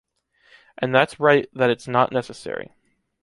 And that’s right that it’s not necessary.